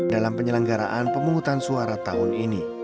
dalam penyelenggaraan pemungutan suara tahun ini